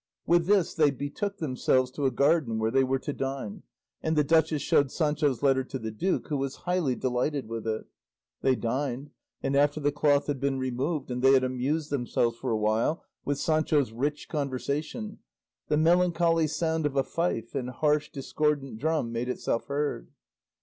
With this they betook themselves to a garden where they were to dine, and the duchess showed Sancho's letter to the duke, who was highly delighted with it. They dined, and after the cloth had been removed and they had amused themselves for a while with Sancho's rich conversation, the melancholy sound of a fife and harsh discordant drum made itself heard.